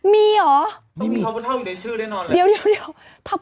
มีเหรอ